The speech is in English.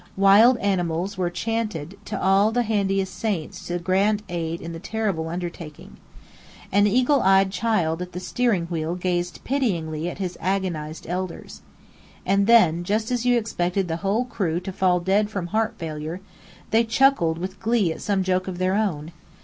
Wild appeals were chanted to all the handiest saints to grant aid in the terrible undertaking. An eagle eyed child at the steering wheel gazed pityingly at his agonized elders. And then, just as you expected the whole crew to fall dead from heart failure, they chuckled with glee at some joke of their own.